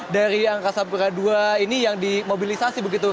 dari angkasa pura dua ini yang dimobilisasi